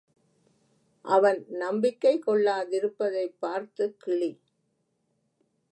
அவன் நம்பிக்கை கொள்ளாதிருப்பதைப் பார்த்துக் கிளி.